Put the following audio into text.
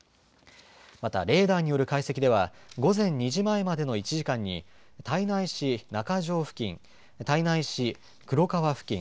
また、レーダーによる解析では午前２時前までの１時間に胎内市中条付近胎内市黒川付近